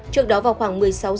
trước đó vào khoảng một mươi sáu h